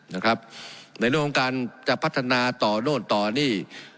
ในเรื่องของการจะพัฒนาต่อโน่นต่อนี่